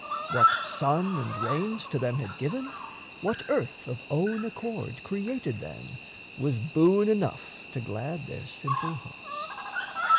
What sun and rains To them had given, what earth of own accord Created then, was boon enough to glad Their simple hearts.